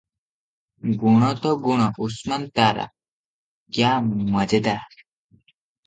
ଗୁଣ ତଗୁଣ ଉସ୍ମାନ୍ ତାରା – କ୍ୟା ମଜେଦାର!